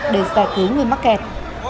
để xe cứu người mắc kẹt